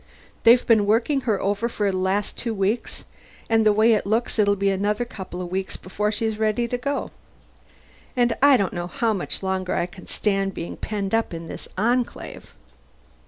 They've been working her over for the last two weeks, and the way it looks it'll be another couple of weeks before she's ready to go. And I don't know how much longer I can stand being penned up in this Enclave."